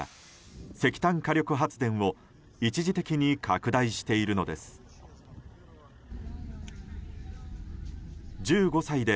石炭火力発電を一時的に拡大しているのです。